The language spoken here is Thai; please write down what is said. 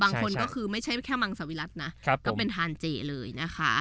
บางคนก็คือไม่ใช่แค่มังสวิรัตินะก็เป็นทานเจเลยนะคะ